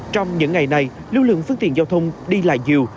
trong những ngày này lưu lượng phương tiện giao thông đi lại nhiều